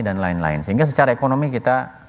dan lain lain sehingga secara ekonomi kita